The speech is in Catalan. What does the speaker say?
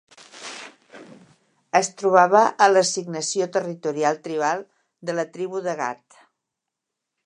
Es trobava a l'assignació territorial tribal de la tribu de Gad.